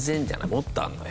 もっとあるのよ。